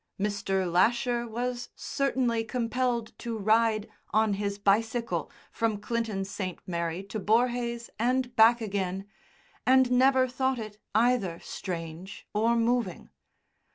Mr. Lasher was certainly compelled to ride on his bicycle from Clinton St. Mary to Borhaze and back again, and never thought it either strange or moving.